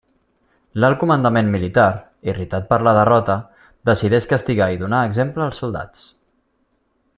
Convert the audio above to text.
L'alt comandament militar, irritat per la derrota, decideix castigar i donar exemple als soldats.